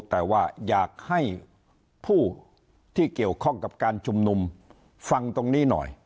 แต่ว่าอยากให้ผู้ที่เกี่ยวข้องกับการชุมนุมฟังตรงนี้หน่อย